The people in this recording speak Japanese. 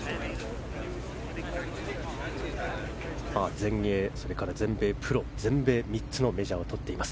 全英、全米プロ、全米の３つのメジャーをとっています。